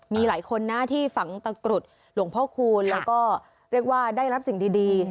มีหลายคนนะที่ฝังตะกรุดหลวงพ่อคูณแล้วก็เรียกว่าได้รับสิ่งดี